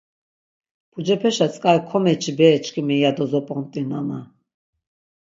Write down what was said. Pucepeşa tzk̆ari komeçi bere çkimi yado zop̆ont̆i nana.